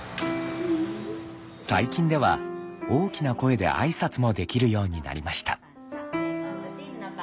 最近では大きな声で挨拶もできるようになりました。